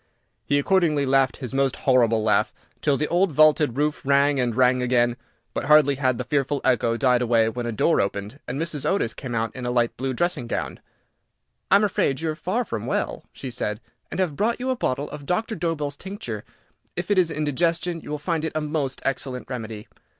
He accordingly laughed his most horrible laugh, till the old vaulted roof rang and rang again, but hardly had the fearful echo died away when a door opened, and Mrs. Otis came out in a light blue dressing gown. "I am afraid you are far from well," she said, "and have brought you a bottle of Doctor Dobell's tincture. If it is indigestion, you will find it a most excellent remedy."